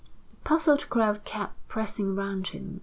The puzzled crowd kept pressing round him.